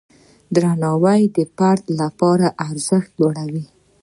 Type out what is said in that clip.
درناوی د فرد لپاره د ارزښت لوړوي.